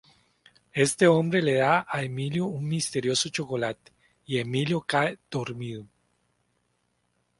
Este hombre le da a Emilio un misterioso chocolate y Emilio cae dormido.